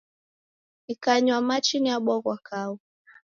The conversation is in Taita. Nikanywa machi niabwagha kau.